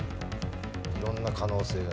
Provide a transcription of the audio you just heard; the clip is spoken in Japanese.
色んな可能性が。